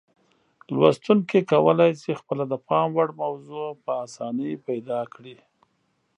لوستونکي کولای شي خپله د پام وړ موضوع په اسانۍ پیدا کړي.